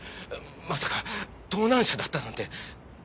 まさか盗難車だったなんて。